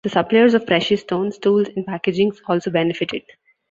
The suppliers of precious stones, tools and packaging also benefited.